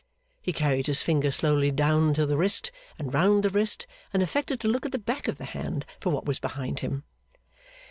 He carried his finger slowly down to the wrist, and round the wrist, and affected to look at the back of the hand for what was behind him.